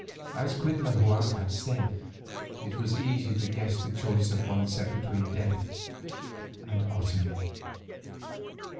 As Cuitlahua had said, it was easy to guess the choice of one set between death and Otomie.